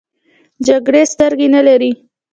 جګړې سترګې نه لري .